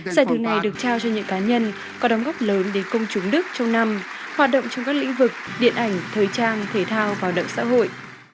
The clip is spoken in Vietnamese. giải thưởng này được trao cho những cá nhân có đóng góp lớn đến công chúng đức trong năm hoạt động trong các lĩnh vực điện ảnh thời trang thể thao và động xã hội